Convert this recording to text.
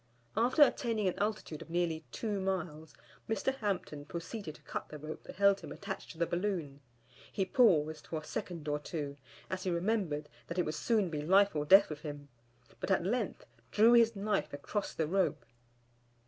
After attaining an altitude of nearly two miles, Mr. Hampton proceeded to cut the rope that held him attached to the balloon. He paused for a second or two, as he remembered that it would soon be life or death with him, but at length drew his knife across the rope.